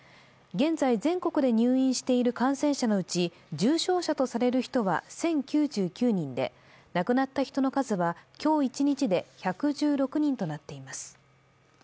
現在、全国で入院している感染者のうち、重症者とされる人は１０９９人で亡くなった人の数は今日一日で１１６人となっています。